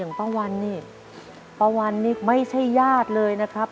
ป้าวันนี่ป้าวันนี่ไม่ใช่ญาติเลยนะครับ